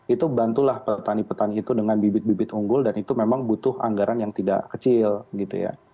itu bantulah petani petani itu dengan bibit bibit unggul dan itu memang butuh anggaran yang tidak kecil gitu ya